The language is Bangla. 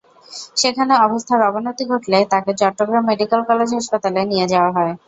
সেখানে অবস্থার অবনতি ঘটলে তাঁকে চট্টগ্রাম মেডিকেল কলেজ হাসপাতালে নিয়ে যাওয়া হয়।